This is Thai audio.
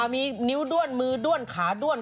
มีนิ้วด้วนมือด้วนขาด้วน